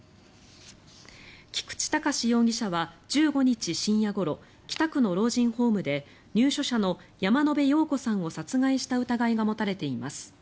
菊池隆容疑者は１５日深夜ごろ北区の老人ホームで入所者の山野辺陽子さんを殺害した疑いが持たれています。